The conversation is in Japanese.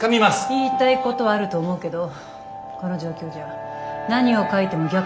言いたいことはあると思うけどこの状況じゃ何を書いても逆効果にしかならない。